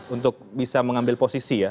untuk bisa mengambil posisi ya